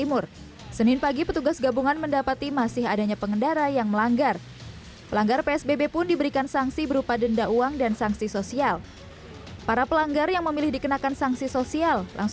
memilih untuk dihukum seperti ini ya